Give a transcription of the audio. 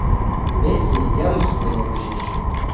mbese byamushyize mu rujijo